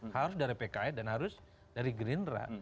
harus dari pks dan harus dari gerindra